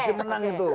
masih menang itu